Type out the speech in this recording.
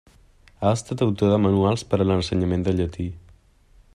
Ha estat autor de manuals per a l'ensenyament del llatí.